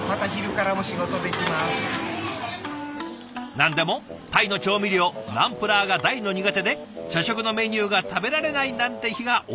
何でもタイの調味料ナンプラーが大の苦手で社食のメニューが食べられないなんて日が多かったんだとか。